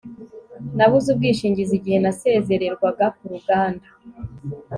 Nabuze ubwishingizi igihe nasezererwaga ku ruganda